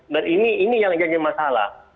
dan ini ini yang jadi masalah